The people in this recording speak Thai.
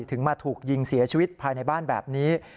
ถึงมาถูกยิงเสียชีวิตภายในบ้านแบบนี้